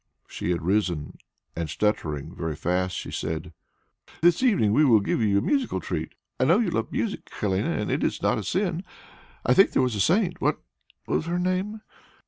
She had risen, and stuttering very fast, said, "This evening we will give you a musical treat. I know you love music, Helene, and that is not a sin. I think there was a saint what was her name?"